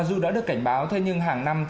dù đã được cảnh báo thế nhưng hàng năm